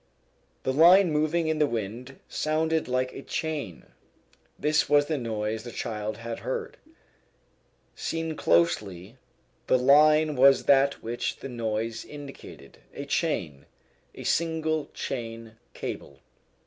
The line moving in the wind sounded like a chain. This was the noise the child had heard. Seen closely the line was that which the noise indicated, a chain a single chain cable.